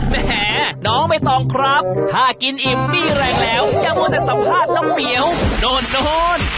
แหมน้องไม่ต้องครับถ้ากินอิ่มมีอะไรแล้วยังว่าแต่สัมภาษณ์น้องเปี๋ยวโน่นโน่น